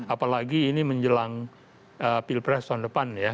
apalagi ini menjelang pilpres tahun depan ya